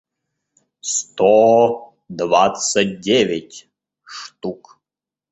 сто двадцать девять штук